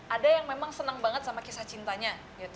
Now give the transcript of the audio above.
ada yang memang senang banget sama kisah cintanya